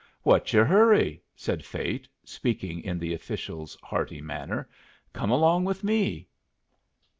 "What's your hurry?" said Fate, speaking in the official's hearty manner. "Come along with me."